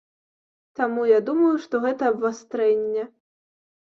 Таму я думаю, што гэта абвастрэнне.